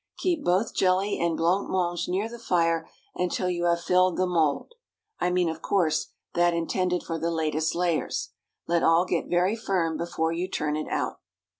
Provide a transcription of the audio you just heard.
Keep both jelly and blanc mange near the fire until you have filled the mould—I mean, of course, that intended for the latest layers. Let all get very firm before you turn it out.